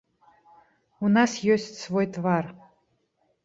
У нас ёсць свой твар.